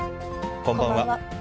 こんばんは。